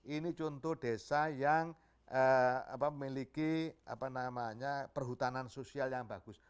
ini contoh desa yang memiliki perhutanan sosial yang bagus